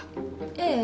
ええ。